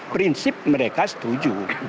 prinsip mereka setuju